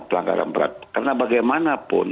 pelanggaran berat karena bagaimanapun